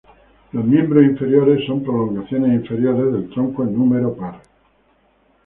Los miembros inferiores son prolongaciones inferiores del tronco en número par.